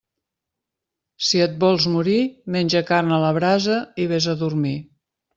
Si et vols morir, menja carn a la brasa i vés a dormir.